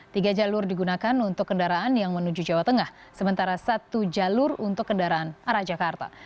tiga jalur digunakan untuk kendaraan yang menuju jawa tengah sementara satu jalur untuk kendaraan arah jakarta